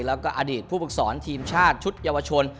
แล้วก็อดีตผู้ฝึกสอนทีมชาติชุดเยาวชน